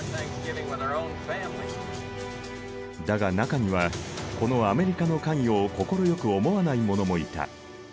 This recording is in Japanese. だが中にはこのアメリカの関与を快く思わない者もいた。